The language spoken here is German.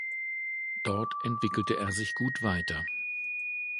Dort entwickelte er sich gut weiter.